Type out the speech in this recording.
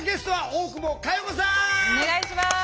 お願いします。